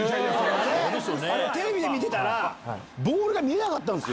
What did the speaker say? テレビで見てたらボールが見えなかった。